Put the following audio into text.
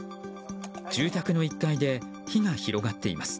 住宅の１階で火が広がっています。